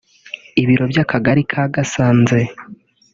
Ibiro by’Akagari ka Gasanze